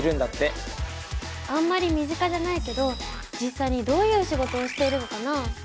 あんまり身近じゃないけど実際にどういう仕事をしているのかな？